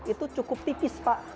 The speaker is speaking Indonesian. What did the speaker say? itu cukup tipis pak